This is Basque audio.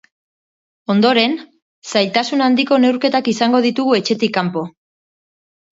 Ondoren, zailtasun handiko neurketak izando ditugu etxetik kanpo.